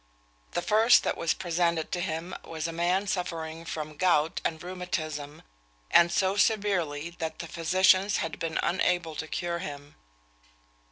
The first that was presented to him was a man suffering from gout and rheumatism, and so severely that the physicians had been unable to cure him.